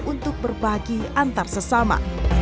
untuk berbagi antar sesama